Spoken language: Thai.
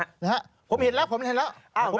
แหละหรือเปล่าเลยครับผมเห็นแล้วผมเห็นแล้ว